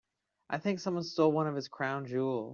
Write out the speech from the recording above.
I think somebody stole one of his crown jewels.